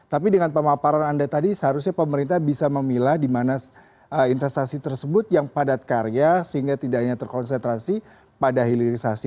tapi dengan pemaparan anda tadi seharusnya pemerintah bisa memilah di mana investasi tersebut yang padat karya sehingga tidak hanya terkonsentrasi pada hilirisasi